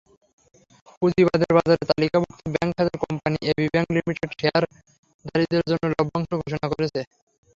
পুঁজিবাজারে তালিকাভুক্ত ব্যাংক খাতের কোম্পানি এবি ব্যাংক লিমিটেড শেয়ারধারীদের জন্য লভ্যাংশ ঘোষণা করেছে।